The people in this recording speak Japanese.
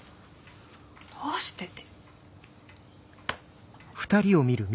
どうしてって。